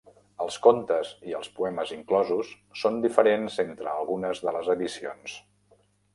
Els contes i els poemes inclosos són diferents entre algunes de les edicions.